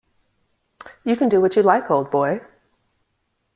You can do what you like, old boy!